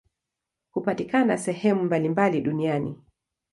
Hupatikana sehemu mbalimbali duniani.